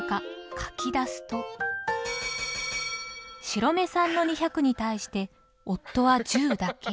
白目さんの２００に対して夫は１０だけ。